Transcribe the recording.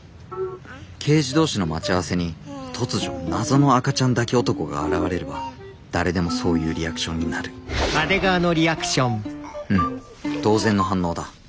刑事同士の待ち合わせに突如謎の赤ちゃん抱き男が現れれば誰でもそういうリアクションになるうん当然の反応だ。